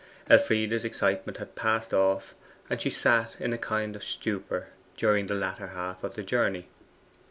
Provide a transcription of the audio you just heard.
Elfride's excitement had passed off, and she sat in a kind of stupor during the latter half of the journey.